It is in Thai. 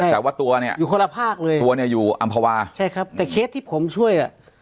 แต่ว่าตัวเนี่ยอยู่คนละภาคเลยตัวเนี่ยอยู่อำภาวาใช่ครับแต่เคสที่ผมช่วยอ่ะ